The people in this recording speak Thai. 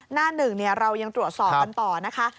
หน้า๑เราตรวจสอบกันต่อนะคะ